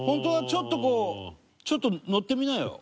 ちょっとこうちょっと乗ってみなよ。